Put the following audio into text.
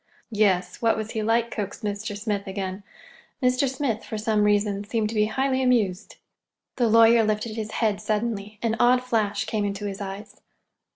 "Yes, what was he like?" coaxed Mr. Smith again. Mr. Smith, for some reason, seemed to be highly amused. The lawyer lifted his head suddenly. An odd flash came to his eyes.